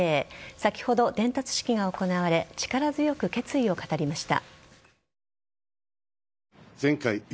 先ほど、伝達式が行われ力強く決意を語りました。